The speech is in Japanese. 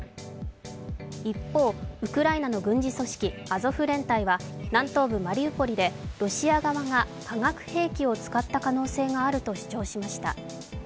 一方、ウクライナの軍事組織アゾフ連隊は、南東部マリウポリでロシア側が化学兵器を使った可能性があると主張しました。